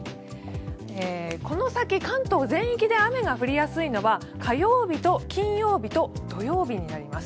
この先、関東全域で雨が降りやすいのは火曜日と金曜日と土曜日になります。